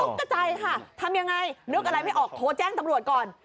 กระใจค่ะทำยังไงนึกอะไรไม่ออกโทรแจ้งตำรวจก่อน